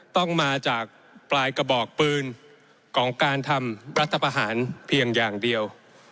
ต้องมาจากปลายกระบอกปืนของการทำรัฐประหารเพียงอย่างเดียว